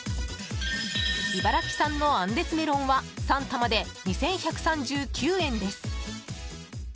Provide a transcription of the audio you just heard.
茨城産のアンデスメロンは３玉で２１３９円です。